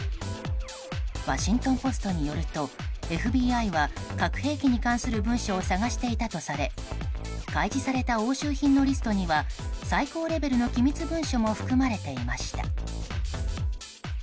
ワシントン・ポストによるとＦＢＩは核兵器に関する文書を探していたとされ開示された押収品のリストには最高レベルの機密文書も含まれていました。